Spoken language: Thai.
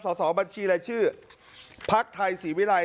สอบบัญชีชื่อพรรคไทยศรีวิรัย